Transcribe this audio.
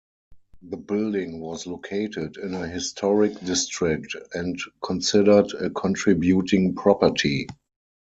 The building was located in a historic district and considered a contributing property.